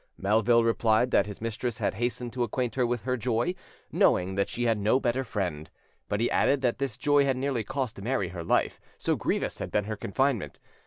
Melville replied that his mistress had hastened to acquaint her with her joy, knowing that she had no better friend; but he added that this joy had nearly cost Mary her life, so grievous had been her confinement.